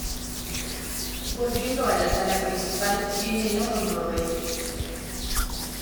Volviendo a la sala principal, en el lado Noroeste.